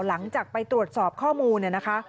หลังจากไปตรวจสอบข้อมูลเนี่ยนะคะ